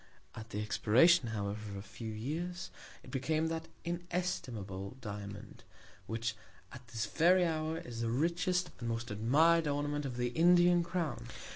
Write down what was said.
At the Expiration, however, of a few Years, it became that inestimable Diamond, which at this very Hour, is the richest, and most admir'd Ornament of the Indian Crown.